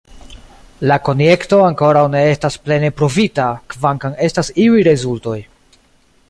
La konjekto ankoraŭ ne estas plene pruvita, kvankam estas iuj rezultoj.